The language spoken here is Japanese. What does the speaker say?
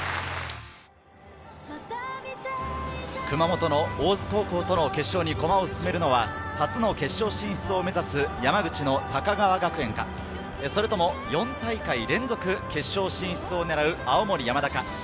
熊本の大津高校との決勝に駒を進めるのは初の決勝進出を目指す山口の高川学園か、それとも４大会連続決勝進出を狙う青森山田か。